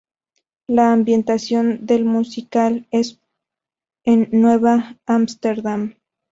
La ambientación del musical es en Nueva Ámsterdam.